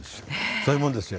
そういうもんですよ。